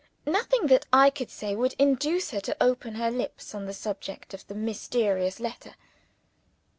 Nothing that I could say would induce her to open her lips on the subject of the mysterious letter.